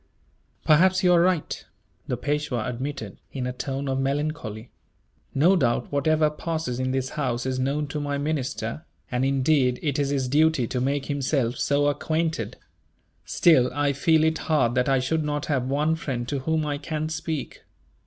"Perhaps you are right," the Peishwa admitted, in a tone of melancholy. "No doubt, whatever passes in this house is known to my minister; and indeed, it is his duty to make himself so acquainted. Still, I feel it hard that I should not have one friend to whom I can speak."